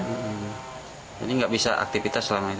ini tidak bisa aktivitas selama ini ya